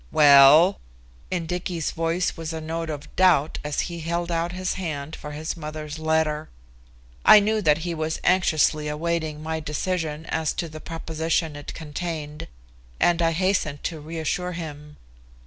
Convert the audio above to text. "Well!" In Dicky's voice was a note of doubt as he held out his hand for his mother's letter. I knew that he was anxiously awaiting my decision as to the proposition it contained, and I hastened to reassure him.